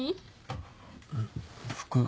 服。